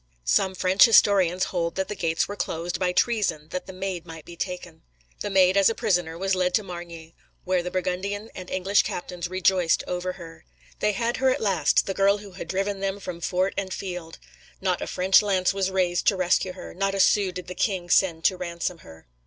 Some French historians hold that the gates were closed, by treason, that the Maid might be taken. The Maid, as a prisoner, was led to Margny, where the Burgundian and English captains rejoiced over her. They had her at last, the girl who had driven them from fort and field. Not a French lance was raised to rescue her; not a sou did the king send to ransom her.